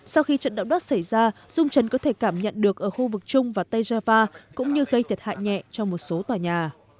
sau khi trận động đất xảy ra dung trần có thể cảm nhận được ở khu vực trung và tây java cũng như gây thiệt hại nhẹ cho một số tòa nhà